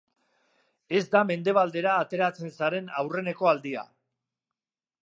Ez da Mendebaldera ateratzen zaren aurreneko aldia.